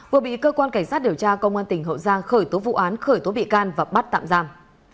vừa bị cơ quan cảnh sát điều tra công an tỉnh hậu giang khởi tố vụ án khởi tố bị can và bắt tạm giam